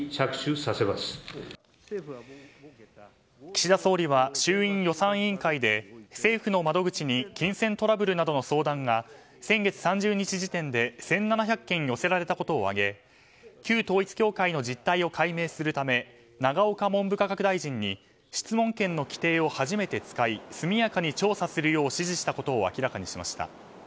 岸田総理は衆院予算委員会で政府の窓口に金銭トラブルなどの相談が先月３０日時点で１７００件寄せられたことを挙げ旧統一教会の実態を解明するため永岡文科大臣に質問権の規定を初めて使い速やかに調査するよう指示したことを明らかにしました。